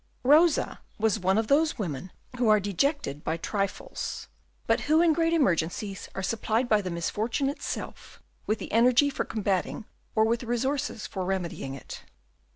Rosa was one of those women who are dejected by trifles, but who in great emergencies are supplied by the misfortune itself with the energy for combating or with the resources for remedying it.